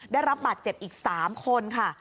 ได้รับบาดเจ็บอีก๓คนค่ะ